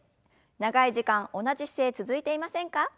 長い時間同じ姿勢続いていませんか？